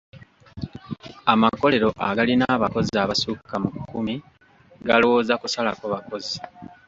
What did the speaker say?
Amakolero agalina abakozi abasukka mu kkumi galowooza kusalako bakozi.